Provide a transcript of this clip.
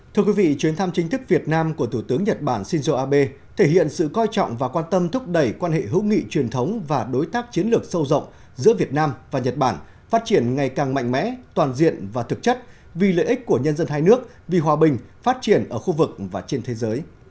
thưa quý vị chuyến thăm chính thức việt nam của thủ tướng nhật bản shinzo abe thể hiện sự coi trọng và quan tâm thúc đẩy quan hệ hữu nghị truyền thống và đối tác chiến lược sâu rộng giữa việt nam và nhật bản phát triển ngày càng mạnh mẽ toàn diện và thực chất vì lợi ích của nhân dân hai nước vì hòa bình phát triển ở khu vực và trên thế giới